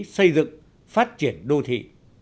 xây dựng phát triển đô thị